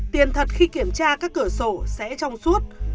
tiền thật khi kiểm tra các cửa sổ sẽ trong suốt